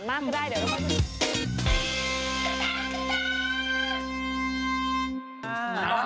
มันมีขาย